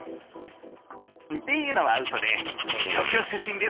っていうのはうそで東京出身です。